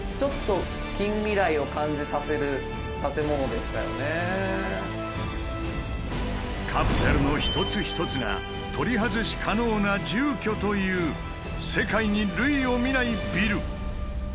やっぱりカプセルの一つ一つが「取り外し可能な住居」という世界に類を見ないビル。